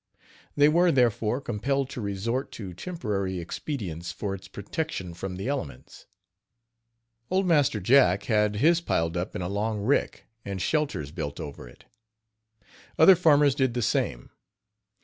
They were, therefore, compelled to resort to temporary expedients for its protection from the elements. Old Master Jack had his piled up in a long rick, and shelters built over it. Other farmers did the same.